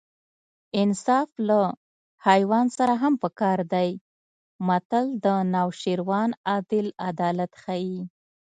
انصاف له حیوان سره هم په کار دی متل د نوشیروان عادل عدالت ښيي